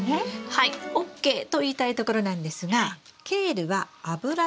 はいＯＫと言いたいところなんですがケールはアブラナ科の植物です。